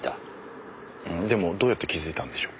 でもどうやって気づいたんでしょう？